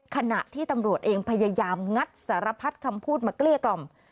ขณะที่ตำรวจเองพยายามงัดสารพัดคำพูดมาเกลี้ยกล่อม